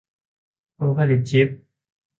ผู้ผลิตชิป